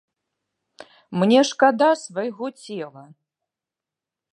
Мне шкада свайго цела.